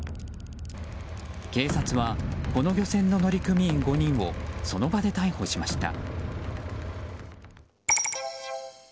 警察はこの漁船の乗組員５人をその場で逮捕しました。